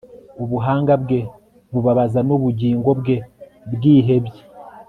ubuhanga bwe bubabaza nubugingo bwe bwihebye